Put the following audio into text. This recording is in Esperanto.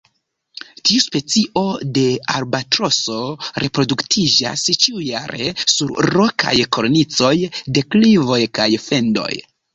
Tiu specio de albatroso reproduktiĝas ĉiujare sur rokaj kornicoj, deklivoj, kaj fendoj.